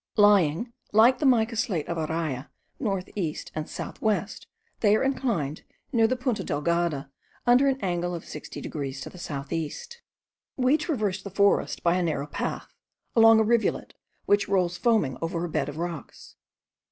Lying, like the mica slate of Araya, north east and south west, they are inclined, near Punta Delgada, under an angle of 60 degrees to south east. We traversed the forest by a narrow path, along a rivulet, which rolls foaming over a bed of rocks.